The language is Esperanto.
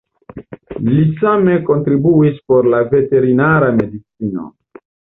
Li same kontribuis por la veterinara medicino.